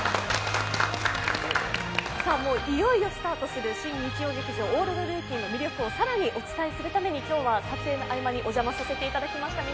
いよいよスタートする新日曜劇場「オールドルーキー」の魅力をさらにお伝えするために今日は撮影の合間にお邪魔させていただきました